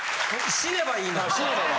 「死ねばいいのに」。